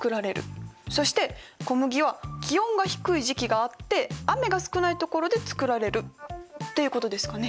そして小麦は気温が低い時期があって雨が少ないところで作られるっていうことですかね。